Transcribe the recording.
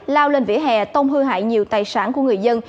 lao lên vỉa hè tông hư hại nhiều tài sản của người dân